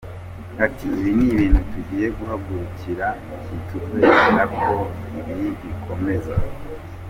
Ati “Ibi ni ibintu tugiye guhagurukira, ntituzemera ko ibi bikomeza.